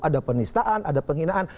ada penistaan ada penghinaan